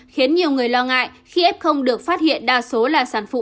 khiến nhiều người lo ngại khi f được phát hiện đa số là sản phụ